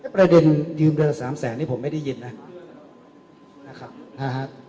ประเด็นยืมเดือสามแสนนี่ผมไม่ได้ยินนะครับนะครับนะครับ